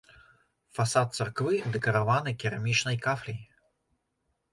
Фасад царквы дэкараваны керамічнай кафляй.